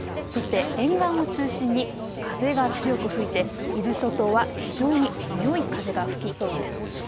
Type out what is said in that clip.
そして沿岸を中心に風が強く吹いて伊豆諸島は非常に強い風が吹きそうです。